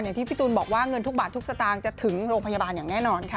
ที่พี่ตูนบอกว่าเงินทุกบาททุกสตางค์จะถึงโรงพยาบาลอย่างแน่นอนค่ะ